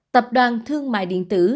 tập đoàn thương mại điện tử